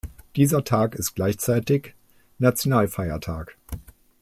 Dieser Tag ist gleichzeitig Nationalfeiertag.